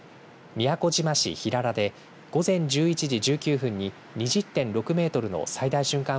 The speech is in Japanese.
宮古島市平良で午前１１時１９分に２０．６メートルの最大瞬間